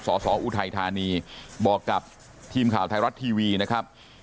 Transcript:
สสออุทัยธานีบอกกับทีมข่าวไทยรัฐทีวีนะครับ